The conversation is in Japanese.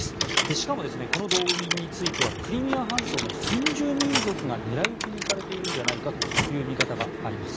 しかもこの動員についてはクリミア半島の先住民族が狙い撃ちにされているんじゃないかという見方があります。